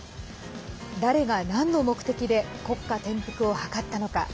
誰がなんの目的で国家転覆を謀ったのか。